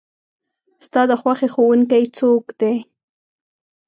ستا د خوښې ښوونکي څوک دی؟